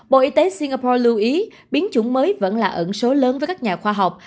bộ y tế singapore lưu ý biến chủng mới vẫn là ẩn số lớn với các nhà khoa học